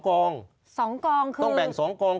กอง๒กองคือต้องแบ่ง๒กอง